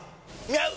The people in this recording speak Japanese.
合う！！